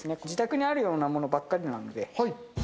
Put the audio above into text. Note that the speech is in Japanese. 自宅にあるようなものばかりなので。